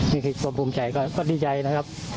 มีใครต้องภูมิใจก็ดีใจนะครับ